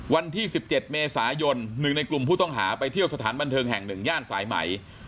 วันที่สิบเจ็ดเมษายนหนึ่งในกลุ่มผู้ต้องหาไปเที่ยวสถานบันเทิงแห่งหนึ่งย่านสายใหม่